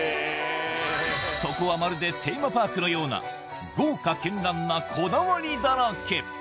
そこはまるでテーマパークのような豪華絢爛なこだわりだらけ